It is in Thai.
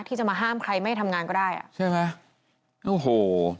ที่จะมาห้ามใครไม่ให้ทำงานก็ได้อ่ะใช่ไหมโอ้โห